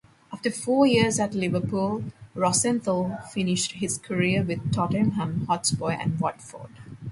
After four years at Liverpool, Rosenthal finished his career with Tottenham Hotspur and Watford.